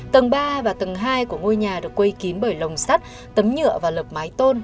tầng ba và tầng hai của ngôi nhà được quây kín bởi lồng sắt tấm nhựa và lợp mái tôn